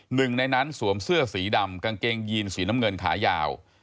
หนึ่งในนั้นสวมเสื้อสีดำกางเกงยีนสีน้ำเงินขายาว